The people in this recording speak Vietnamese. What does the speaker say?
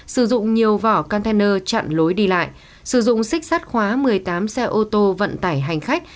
sử dụng nhiều vỏ cano chặn lối đi lại sử dụng xích sắt khóa một mươi tám xe ô tô vận tải hành khách